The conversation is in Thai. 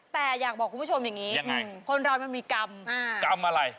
แต่อยากบอกคุณผู้ชมอย่างนี้คนเรามันมีกรรมกรรมอะไร